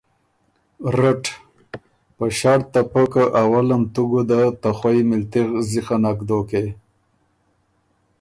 رټ: په ݭړط ته پۀ که اولم تُو ګُده ته خوئ مِلتِغ زِخه نک دوکې۔